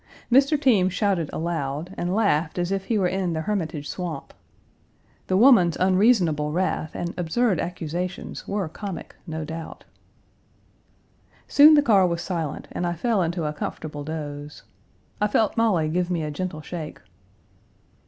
Mr. Team shouted aloud, and laughed as if he were in the Hermitage Swamp. The woman's unreasonable wrath and absurd accusations were comic, no doubt. Soon the car was silent and I fell into a comfortable doze. I felt Molly give me a gentle shake.